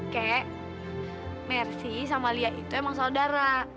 kek mersi sama lia itu emang saudara